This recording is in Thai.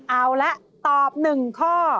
เอาแล้วตอบหนึ่งข้อ